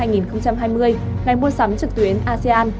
ngày mua sắm trực tuyến asean